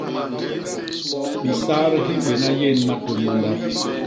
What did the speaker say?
Hisat hi mbéna yén matôm ma ndap.